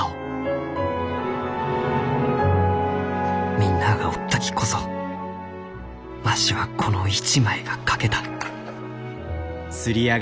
みんなあがおったきこそわしはこの一枚が描けた。